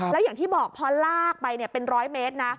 แล้วอย่างที่บอกพอลากไปเป็นร้อยเมตรนะ